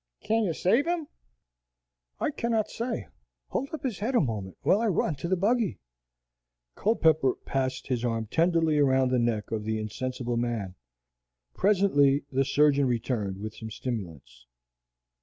"Can you save him?" "I cannot say. Hold up his head a moment, while I run to the buggy." Culpepper passed his arm tenderly around the neck of the insensible man. Presently the surgeon returned with some stimulants.